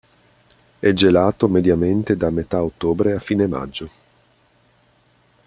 È gelato mediamente da metà ottobre a fine maggio.